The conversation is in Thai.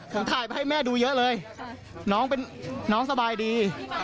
ผมถ่ายไปให้แม่ดูเยอะเลยน้องเป็นน้องสบายดี